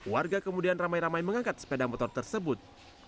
warga kemudian ramai ramai mengangkat sepeda motor tersebut